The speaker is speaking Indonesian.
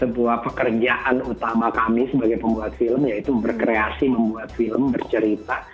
sebuah pekerjaan utama kami sebagai pembuat film yaitu berkreasi membuat film bercerita